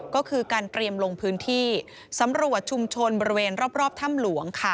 ก็คือการเตรียมลงพื้นที่สำรวจชุมชนบริเวณรอบถ้ำหลวงค่ะ